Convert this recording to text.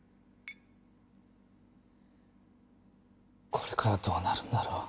これからどうなるんだろう？